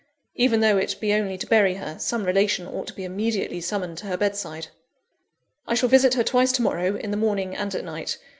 Even though it be only to bury her, some relation ought to be immediately summoned to her bed side. "I shall visit her twice to morrow, in the morning and at night.